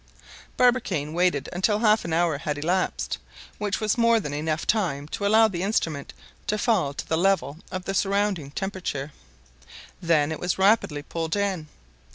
Barbicane waited until half an hour had elapsed, which was more than time enough to allow the instrument to fall to the level of the surrounding temperature. Then it was rapidly pulled in.